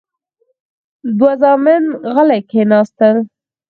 دوه زامن غلي کېناستل.